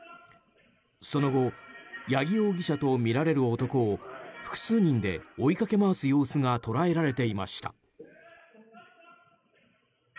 その後八木容疑者とみられる男を複数人で追い掛け回す様子が捉えられていました。